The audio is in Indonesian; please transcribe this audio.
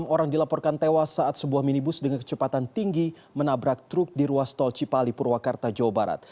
enam orang dilaporkan tewas saat sebuah minibus dengan kecepatan tinggi menabrak truk di ruas tol cipali purwakarta jawa barat